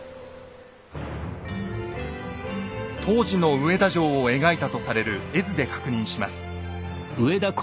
当時の上田城を描いたとされる絵図で確認します。